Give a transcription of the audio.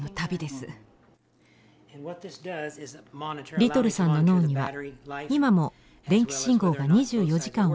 リトルさんの脳には今も電気信号が２４時間送られています。